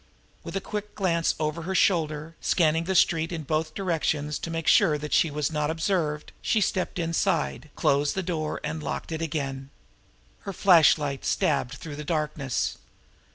With a quick glance over her shoulder, scanning the street in both directions to make sure that she was not observed, she stepped inside, closed the door, and locked it again. Her flashlight stabbed through the darkness.